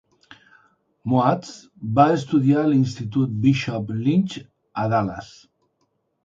Moats va estudiar a l'institut Bishop Lynch a Dallas.